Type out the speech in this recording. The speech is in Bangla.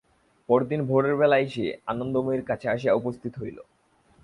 পরদিন ভোরের বেলাই সে আনন্দময়ীর কাছে আসিয়া উপস্থিত হইল।